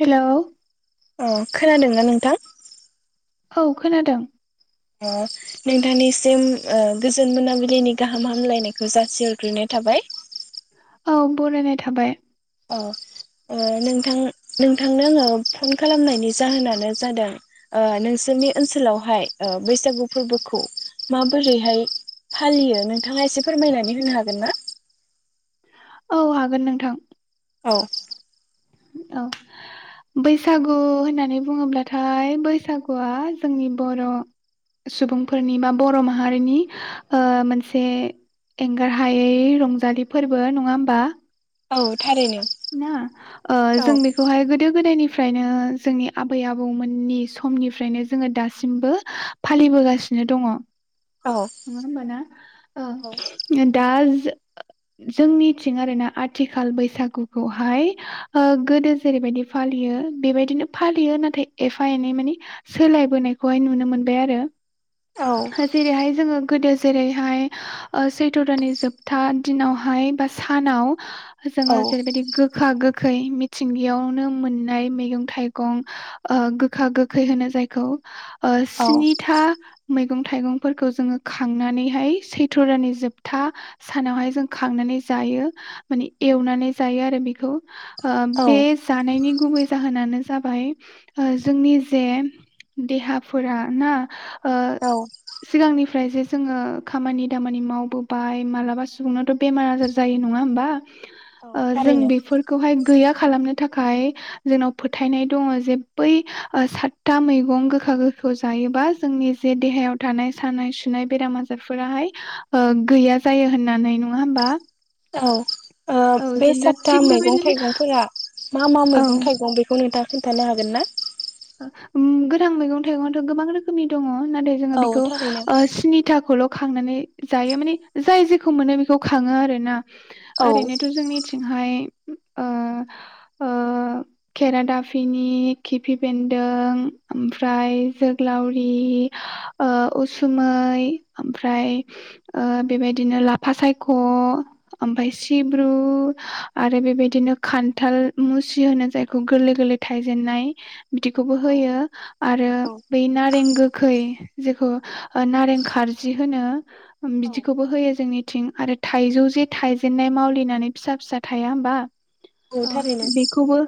Hello अ खोनादोंना नोंथां औ खोनादों नोंथांनिसिम गोजोन ओ मोनाबिलिनि गाहाम हामलायनायखौ जासि हरग्रोनाय थाबाय औ बरायनाय थाबाय अ नोंथां नोंथांनो आङो फन खालामनायनि जाहोनानो जादों नोंसोरनि ओनसोलावहाय ओ बैसागु फोरबोखौ माबोरैहाय फालियो नोंथाङा एसे फोरमायनानै होनो हागोन ना? औ हागोन नोंथां। औ औ बैसागु होननानै बुङोब्लाथाय बैसागुआ जोंनि बर' सुबुंफोरनि बा बर' माहारिनि मोनसे एंगार हायै रंजालि फोरबो नङा होमबा? औ थारैनो ना ओ औ जों बेखौहाय गोदो गोदायनि फ्रायनो जोंनि आबै आबौमोननि समनिफ्रायनो जोङो दासिमबो फालिबोगासिनो दङ। औ नङा होमबा औ ना दा जो-जोंनिथिं आरोना आथिखाल बैसागुखौहाय ओ गोदो जेरैबायदि फालियो बेबायदिनो फालियो नाथाय एफा एनै माने सोलायबोनायखौहाय नुनो मोनबाय आरो। औ जेरैहाय जोङो गोदो जेरैहाय ओ सैथ' दाननि जोबथा दिनावहाय बा सानाव जोङो जेरैबायदि गोखा गो खै मिथिंगायावनो मोननाय मैगं थाइगं ओ गोखा गोखै होनो जायखौ ओ औ स्निथा मैगं थाइगंफोरखौ जोङो खांनानैहाय सैथ्र' दाननि जोबथा सानावहाय जों खांनानै जायो माने एवनानै जायो आरो बेखौ ओ बे औ जानायनि गुबै जाहोनानो जाबाय ओ जोंनि जे देहाफोरा ना ओ सिगांनिफ्राय जे जोङो खामानि दामानि मावबोबाय मालाबा सुबुंनावथ' बेमार आजार जायो नङा होमबा? औ ओ जों थारैनो बेफोरखौहाय गैया खालामनो थाखाय जोंनाव फोथायनाय दङ जे बै सातथा मैगं गोखा गोखैखौ जायोबा जोंनि जे देहायाव थानाय सानाय सुनाय बेराम आजारफोराहाय गैया जायो होननानै नङा होमबा? औ ओ औ बे जों दा सातथा थिग मैगं बेबायदिनो थाइगंफोरा मा मा औ मैगं थाइगं बेखौ नोंथां खिन्थानो हागोन ना? ओ उम गोथां मैगं थाइगंआथ' गोबां रोखोमनि दङ। नाथाय जोङो औ बेखौ थारैनो ओ स्निथाखौल' खांनानै जायो माने जाय जेखौ मोनो बेखौ खाङो आरोना। औ ओरैनोथ' जोंनिथिंहाय ओ ओ केेरादाफिनि, खिफि बेन्दों ओमफ्राय जोग्लावरि, ओ उसुमै, ओमफ्राय ओ बेबायदिनो लाफा सायख' ओमफ्राय सिब्रु आरो बेबायदिनो खान्थाल मुसि होनो जायखौ गोरलै गोरलै थायजेननाय। बिदिखौबो होयो आरो बै नारें गोखै जेखौ नारें खारजि होनो। औ बिदिखौबो होयो जोंनि थिं आरो थाइजौ जे थाइजेननाय मावलिनानै फिसा फिसा थाया होमबा? औ बेखौबो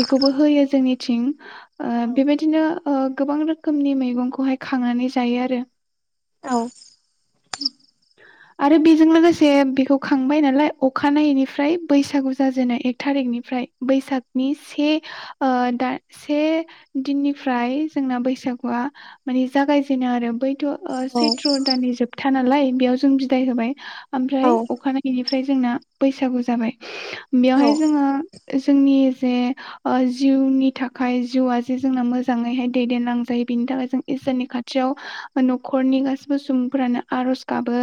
बेखौबो होयो जोंनि थिं ओ औ बेबायदिनो गोबां रोखोमनि मैगंखौहाय खांनानै जायो आरो। औ। आरो बेजों लोगोसे बेखौ खांबाय नालाय अखानायैनिफ्राय बैसागु जाजेनो एक थारिकनिफ्राय बैसागनि से दा से दिननिफ्राय जोंना बैसागुआ माने जागायजेनो आरो बै ओ औ सैथ्र' दाननि जोब था नालाय बेयाव जों बिदाय होबाय। ओमफ्राय औ अखानायैनि ओमफ्राय जोंना बैसागु जाबाय। बेवहाय जोङो जोंनि जे जिउनि थाखाय जिउआ से जोंना मोजाङैहाय दैदेनलांजायो बिनि थाखाय जों इसोरनि खाथियाव न'खरनि गासिबो सुबुंफोरानो आरज गाबो।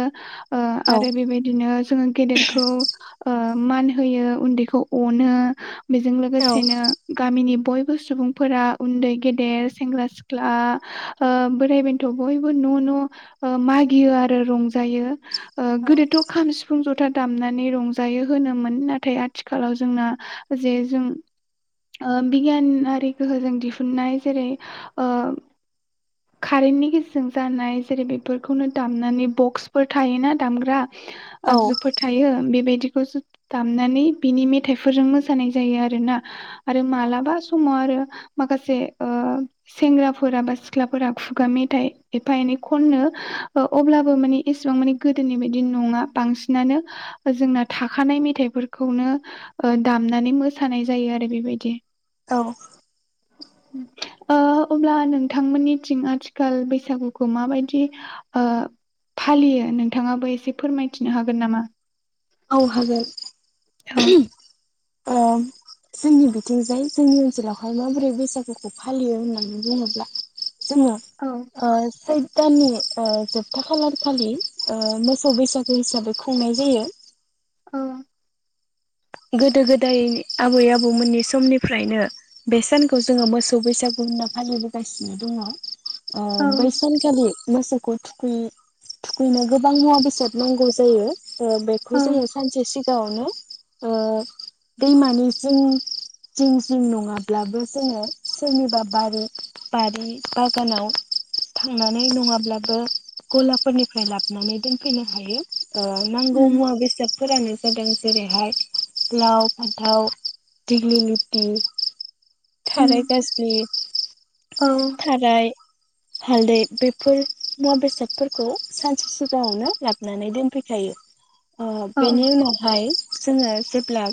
आरो बेबायदिनो जोङो गेदेरखौ मान होयो उन्दैखौ अनो। बेजों लोगोसेनो गामिनि बयबो सुबुंफोरा उन्दै गेदेर सेंग्रा सिख्ला बोराइ बेन्थ' बयबो न' न' मागियो आरो रंजायो। गोदोथ' खाम सिफुं जथा दामनानै रंजायो होनोमोन नाथाय आथिखालाव जोंना जे जों ओ बिगियानारि गोहोजों दिहुन दिहुननाय जेरै कारेन्टनि गेजेरजों जानाय जेरै बेफोरखौनो दामनानै बक्सफोर थायोना दामग्रा औ औ आगजुफोर थायो बेबायदि बेखौसो दामनानै बिनि मेथाइफोरजों मोसानाय जायो आरोना। आरो मालाबा समाव आरो [inaudible] माखासे ओ सेंग्राफोरा बा सिख्लाफोरा खुगा मेथाइ एफा एनै खनो अब्लाबो माने इसेबां मानि गोदोनि बायदि नङा बांसिनानो जोंना थाखानाय मेथाइफोरखौनो दामनानै मोसानाय जायो आरो बेबायदि। औ ओ अब्ला नोंथांमोननिथिं आथिखाल बैसागुखौ माबायदि फालियो नोंथाङाबो एसे फोरमायथिनो हागोन नामा? औ हागोन। औ। अ जोंनि बिथिंजाय जोंनि ओनसोलावहाय माबोरै बैसागुखौ फालियो होननानै बुङोब्ला जोङो औ ओ सैत्र दाननि जोबथा खालारखालि ओ मोसौ बैसागु हिसाबै खुंनाय जायो। औ। गोदो गोदाय आबै आबौमोननि समनिफ्रायनो बे सानखौ जोङो मोसौ बैसागु होनना फालिबोगासिनो दङ। औ अ बैसानखालि मोसौखौ थुखै थुखैनो गोबां मुवा बेसाद नांगौ जायो बेखौ जोङो सानसे सिगां सिगांवावनो दैमानि जिं जिं जिं नङाब्लाबो जोङो सोरनिबा बारि बारि बागानाव थांनानै नङाब्लाबो गलाफोरनिफ्राय लाबोनानै दोनफैनो हायो ओ नांगौ उम मुवा बेसाद फोरानो जादों जेरैहाय लाव फानथाव दिगलि लिथि उम थाराय गाज्लि औ थाराय हालदै बेफोर मुवा बेसादफोरखौ सानसे सिगाङावनो लाबोनानै दोनफैखायो अ औ बेनि उनावहाय जोंङौ। जेब्ला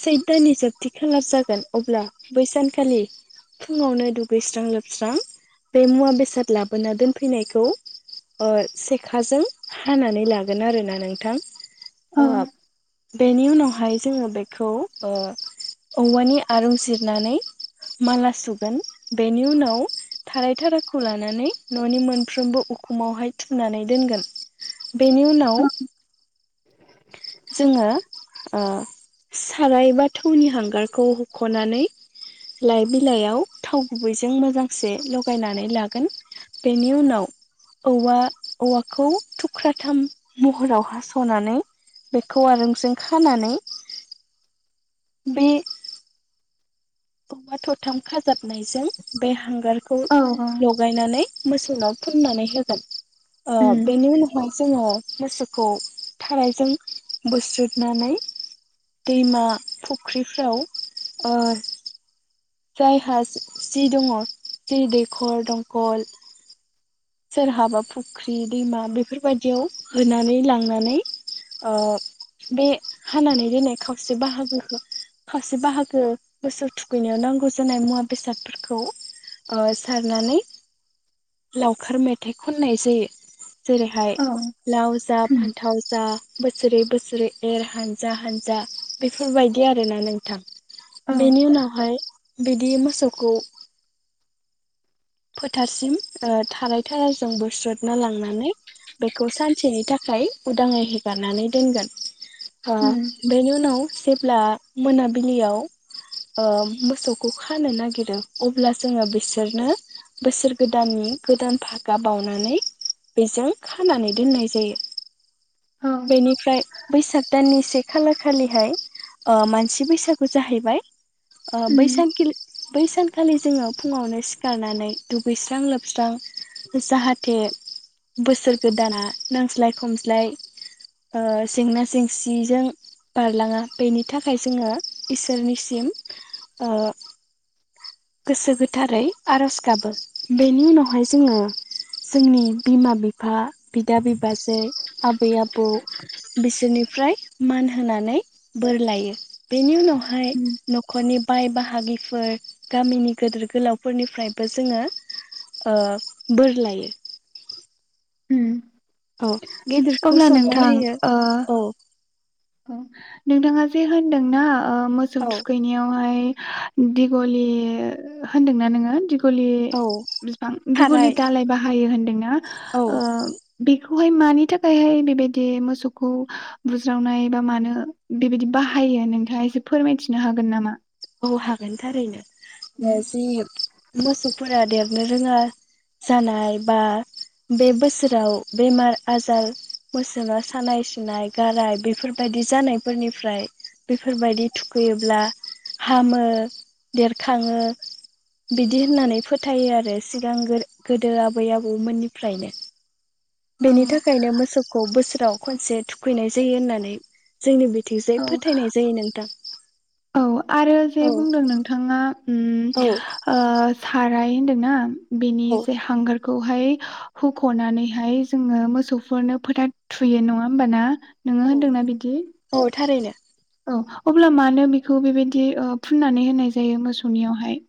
सैथ दाननि जोबथि खाला जागोन अब्ला बैसानखालि फुङावनो दुगैस्रां लोबस्रां बे मुवा बेसाद लाबोना दोनफैनायखौ ओ सेखाजों हानानै लागोन आरोना नोंथां औ [unintelligible] बेनि उनाव ओमफ्राय जोङो बेखौ ओ औवानि आरुं जिरनानै माला सुगोन बेनि उनाव थाराय थाराखौ लानानै ननि मोनफ्रोमबो उखुमावहाय थुनानै दोनगोन बेनि उनाव उम जोङो ओ साराय बा थौनि हांगारखौ हखनानै लाइ बिलाइयाव थाव गुबैजों मोजांसे लगायनानै लागोन बेनि उनाव औवा औवाखौ थुख्राथाम महराव हासनानै बेखौ आरंजों खानानै बे अमा थथाम खाजाबनायजों बे हांगार खौ औ लगायनानै मोसोनाव फुननानै होगोन अ बेनि उनाव जोङो मोसौखौ थारायजों बोस्रुनानै दैमा फुख्रिफ्राव जायहा सि दङ सि दैखर दंखल सोरहाबा फुख्रि दैमा बेफोरबायदियाव होनानै लांनानै ओ बे हानानै दोननाय खावसे बाहागोखौ खावसे बाहागो बोसोर थुखैनायाव नांगौ जानाय मुवा बेसादफोरखौ ओ सारनानै लाव खार मेथाइ खन्नाय जायो जेरैहाय लाव जा उम फान्थाव जा बोसोरै बोसोरै एर हानजा हानजा बेफोरबायदि आरोना नोंथां बेनि उनावहाय बिदि मोसौ खौ फोथारसिम थाराय थाराजों बोस्रदना लांनानै बेखौ सानसेनि थाखाय उदाङै हेगारनानै दोनगोन आ बेनि उनाव जेब्ला मोनाबिलियाव ओ मोसौखौ खानो नागिरो अब्ला जोङो बिसोरनो बोसोर गोदाननि गोदान फागा बावनानै बेजों खानानै दोननाय जायो औ बेनिफ्राय बैसाग दाननि से खालखालिहाय ओ मानसि बैसागु जाहैबाय उम ओ बै सानखालि जोङो फुङावनो सिखारनानै दुगैस्रां लोब सस्रां जाहाथे बोसोर गोदाना नांज्लाय खमज्लाय ओ जेंना जेंसिजों बारलाङा बेनि थाखाय जोङो इसोरनिसिम गोसो गोथारै आरज गाबो बेनि उनावहाय जोङो जोंनि बिमा बिफा बिदा बिबाजै आबै आबौ बिसोरनिफ्राय मान होनानै बोर लायो बेनि उनावहाय उम नखरनि बाय बाहागिफोर गामिनि गेदोर गोलावफोरनिफ्रायबो जोङो ओ बोर लायो हम [unintelligible] औ गेदिरखौ सनमान होयो ओ औ नोंथाङा जे होनदोंना ओ मोसौ औ थुखैनायावहाय दिगलि होनदोंना नोङो। औ बिफां दिगलि थाराय दालाय बाहायो होनदोंना औ ओ। बेखौहाय मानि थाखायहाय बेबायदि मोसौखौ बुज्रावनाय। बा मानो बेबायदि बाहायो नोंथाङा एसे फोरमायथिनो हागोन नामा? हागोन थारैनो जि मोसौफोरा देरनो रोङा जानाय बा बे बोसोराव बेमार आजार मोसाव सानाय सुनाय गाराय बेफोरबायदि जानायफोरनिफ्राय बेफोरबायदि थुखैयोब्ला। हामो देरखाङो। बिदि होननानै फो फोथायो आरो सिगां गोदो आबै आबौमोननिफ्रायनो। औ बेनि थाखायनो मोसौखौ बोसोर। खनसे थुखैनाय जायो होननानै जोंनि बिथिंजाय फोथायनाय जायो नोंथां औ-औ आरो जे औ बुंदों नोंथाङा। ओम औ ओ साद रायहोनदों ना। बेनि बे हांगार खौहाय होखनानैहाय जोङो मोसौफोरनो फोथा थुयो नङा होमबाना। नोङो औ होनदोंना बिदि। औ थारैनो। औ अब्ला मानो बेखौ बेबायदि फुननानै होनाय जायो मोसौनियावहाय।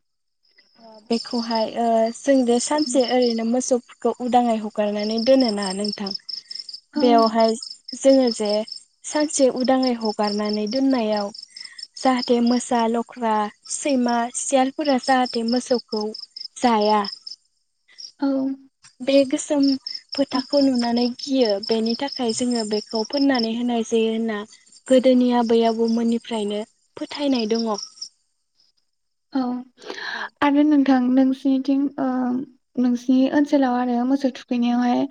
बेखौहाय ओ। जों दो सानसे ओरैनो मोसौ। खौ उदाङै हगारनानै दोनोना नोंथां। औ बेवहाय जोङो जे सानसे उदाङै हगारनानै दोननायाव जाहाथे मोसा लख्रा सैमा सियालफोरा जाहाथे। जाथे मोसौखौ जाया। औ बे गोसोम फोथाखौ नुनानै। खियो बेनि थाखाय जोङो बेखौ फोननानै होनाय जायो होनना गोदोनि आबै आबौमोननिफ्रायनो फोथायनाय दङ। औ आरो नोंथां। नोंसिनिथिं ओ नोंसिनि ओनसोलाव आरो मोसौ थुखैनायावहाय।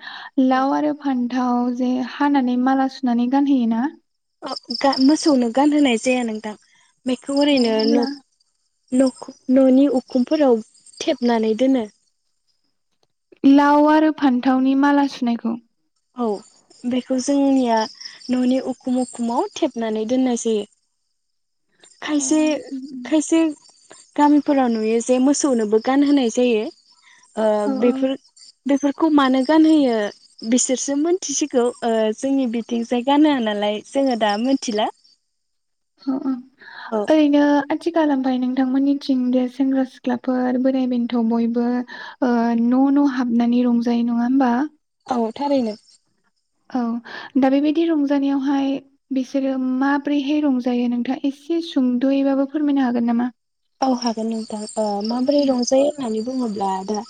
लाव आरो फान्द। ओ-ओ जे हानानै माला सुनानै गानहैयो ना। अ मोसौनो गानहोनाय जाया नोंथां। बेखौ अ ओरैनो न अब्ला नखौ ननि उखुमफोराव थेबनानै दोनो। लाव आरो फान्थावनि माला सुनायखौ औ बेखौ जोंनिया ननि उखुम उखुमाव थेबनानै दोननाय जायो। [inaudible] उम उम गामिफोराव नुयो जे मोसौनोबो गानहोनाय जायो। ओ औ बेफोर बेफोरखौ मानो गानहोयो बिसोरसो मोनथिसिगौ जोंनि बिथिंजाय गानआ नालाय जोङो दा मिथिला। औ औ। ओइ नो खाथि खालामबाय नोंथांमोननिथिं जे सेंग्रा सिख्लाफोर बोराइ बेन्थ' बयबो उ न' न' हाबनानै रंजायो नङा होमबा। औ थारैनो। औ दा बेबायदि रंजानायावहाय बिसोरो माब्रैहाय रंजायो नोंथाङा एसे सुंद'यैबाबो फोरमायनो हागोन नामा? औ हागोन नोंथां माबोरै रंजायो होननानै बुंङोब्ला आदा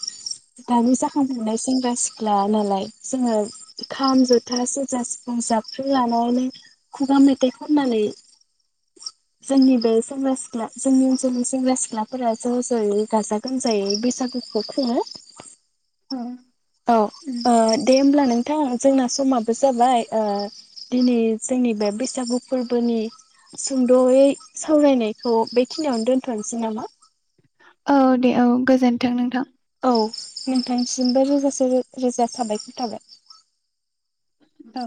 दानि जाखांफुनाय सेंग्रा सिख्ला सिख्ला नालाय जोङो खाम जथा सेरजा सिफुं जाबखेरें लानानै खुगा मेथाइ खननानै जोंनि बे सेंग्रा सिख्ला जोंनि ओनसोलनि सेंग्रा सिख्लाफोरा ज' ज'यै गाजा गोमजायै बैसागुखौ खुङो। औ। औ ओ दे होमब्ला नों नोंथां जोंना समाबो जाबाय दिनै जोंनि बे बैसागु फोरबोनि सुंद'यै सावरायनायखौ बेखिनियावनो दोन्थ'नोसै नामा। औ दे औ गोजोन्थों नोंथां। औ नोंथांसिमबो रोजासे रोजा साबायखर थाबाय। औ।